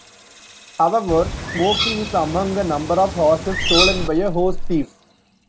However, Smoky is among a number of horses stolen by a horse thief.